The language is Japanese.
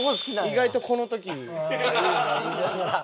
意外とこの時。